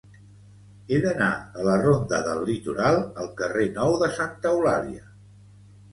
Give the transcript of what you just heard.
He d'anar de la ronda del Litoral al carrer Nou de Santa Eulàlia.